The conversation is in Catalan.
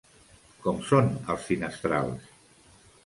Com són els finestrals?